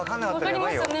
分かりますよね。